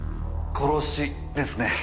殺しですね。